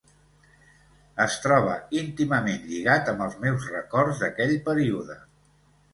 Es troba íntimament lligat amb els meus records d'aquell període